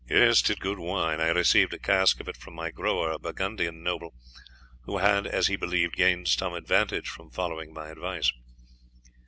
"'Tis good wine. I received a cask of it from the grower, a Burgundian noble, who had, as he believed, gained some advantage from following my advice."